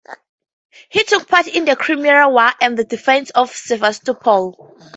He took part in the Crimean War and the defense of Sevastopol.